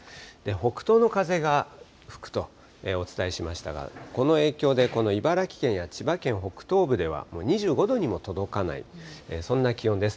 北東の風が吹くとお伝えしましたが、この影響でこの茨城県や千葉県北東部では、もう２５度にも届かない、そんな気温です。